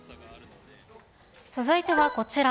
続いてはこちら。